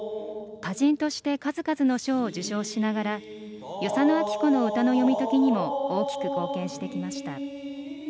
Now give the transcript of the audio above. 歌人として数々の賞を受賞しながら与謝野晶子の歌の読み解きにも大きく貢献してきました。